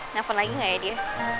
nelfon lagi nggak ya dia